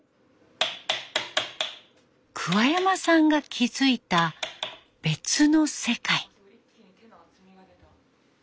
山さんが気付いた別の世界。